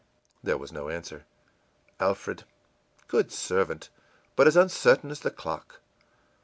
î There was no answer. ìAlfred!... Good servant, but as uncertain as the clock.